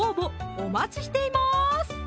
お待ちしています